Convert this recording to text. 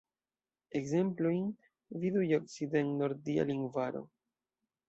Ekzemplojn vidu je Okcident-nordia lingvaro.